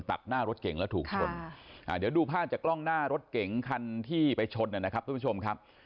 ตัดหน้ารถเก๋งและถูกชนเดี๋ยวดูพลาดจากล้องหน้ารถเก่งขันที่ไปชนแลนะครับ